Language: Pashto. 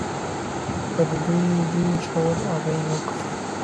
پر دوی يې ډېر ژور اغېز وکړ.